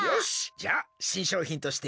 じゃあしんしょうひんとしていけるな！